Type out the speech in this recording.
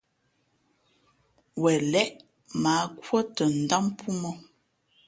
Wen lěʼ mα ǎ kūᾱ tα ndám póómᾱ ǒ.